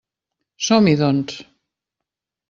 Som-hi, doncs.